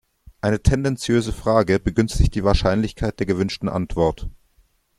Eine tendenziöse Frage begünstigt die Wahrscheinlichkeit der gewünschten Antwort.